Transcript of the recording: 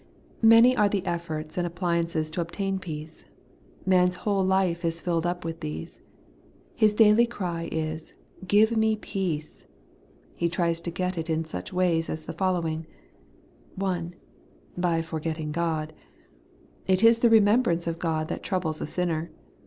Many are the efforts and appliances to obtain peace. Man's whole life is filled up with these. His daily cry is, ' Give me peace !' He tries to get it in such ways as the following :— 1. By forgetting God, It is the remembrance of God that troubles a sinner.